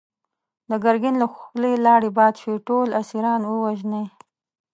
د ګرګين له خولې لاړې باد شوې! ټول اسيران ووژنی!